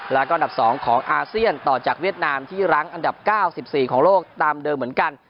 แล้วก็อันดับ๒ของอาเซียนต่อจากเวียดนามที่รั้งอันดับ๙๔ของโลกตามเดิมเหมือนกัน